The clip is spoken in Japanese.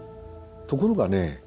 ところがね